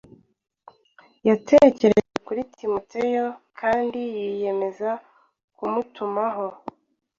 yatekereje kuri Timoteyo kandi yiyemeza kumutumaho.